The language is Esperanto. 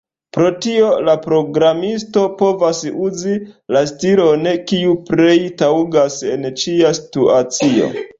Pro tio, la programisto povas uzi la stilon, kiu plej taŭgas en ĉia situacio.